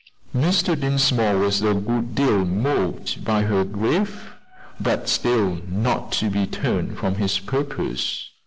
Mr. Dinsmore was a good deal moved by her grief, but still not to be turned from his purpose.